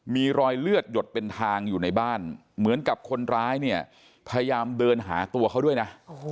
มีรอยเลือดหยดเป็นทางอยู่ในบ้านเหมือนกับคนร้ายเนี่ยพยายามเดินหาตัวเขาด้วยนะ